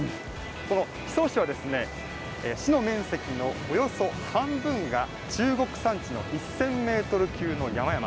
この宍粟市は生地の面積のおよそ半分が中国山地の１０００ｍ級の山々。